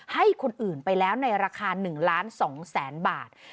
ให้คนอื่นไปแล้วในราคา๑ล้าน๒แสนบาท